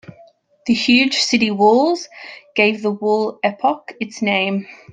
The huge city walls gave the wall epoch its name.